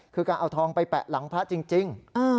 คือการเอาทองไปแปะหลังพระจริง